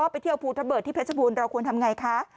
ไปเที่ยวภูทะเบิดที่พระเจ้าบูรณ์เราควรทำอย่างไรคะ